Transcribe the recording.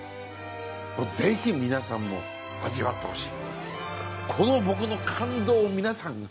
ぜひ皆さんも味わってほしい。